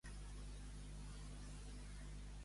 Acabar a Burjó.